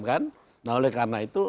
kan nah oleh karena itu